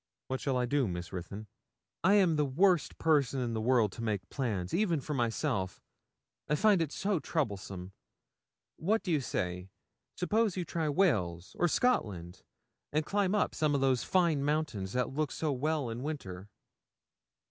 What shall I do, Miss Ruthyn?' 'I am the worst person in the world to make plans, even for myself, I find it so troublesome. What do you say? Suppose you try Wales or Scotland, and climb up some of those fine mountains that look so well in winter?'